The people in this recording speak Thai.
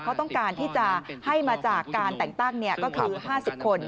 เขาต้องการที่จะให้มาจากการแต่งตั้งก็คือ๕๐คน